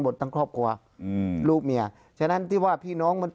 บุกตังช์ครอบครัวลูกเมียฉะนั้นที่บอกพี่น้องมัน